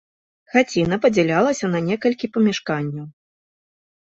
Хаціна падзялялася на некалькі памяшканняў.